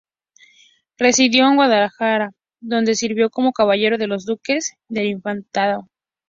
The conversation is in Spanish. Residió en Guadalajara, donde sirvió como caballero de los duques del Infantado.